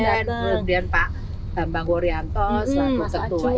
kemudian pak bambang woriantos